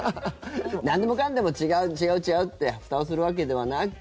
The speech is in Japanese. なんでもかんでも違う、違う、違うってふたをするわけではなく。